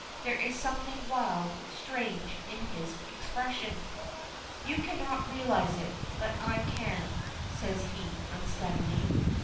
There is something wild strange in his expression. "You cannot realize it, but I can," says he, unsteadily.